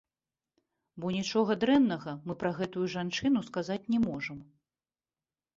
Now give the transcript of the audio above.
Бо нічога дрэннага мы пра гэтую жанчыну сказаць не можам.